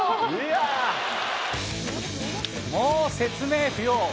もう説明不要。